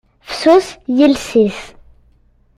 Fessus yiles-is.